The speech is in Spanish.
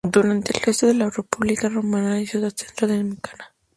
Durante el resto de la República romana la ciudad entró en decadencia.